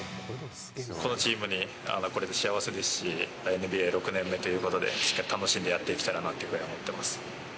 このチームに来れて幸せですし、ＮＢＡ６年目ということで、しっかり楽しんでやっていけたらなと思っています。